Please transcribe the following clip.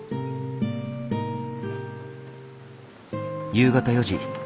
夕方４時。